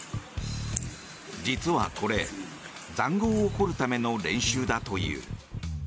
実はこれ、塹壕を掘るための練習だという。